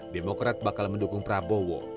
demokrat bakal mendukung prabowo